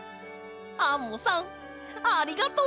アンモさんありがとう！